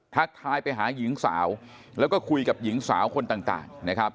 ทักทายไปหาหญิงสาวแล้วก็คุยกับหญิงสาวคนต่างนะครับ